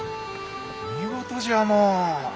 見事じゃのう。